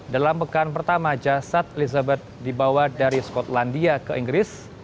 dalam pekan pertama jasad elizabeth dibawa dari skotlandia ke inggris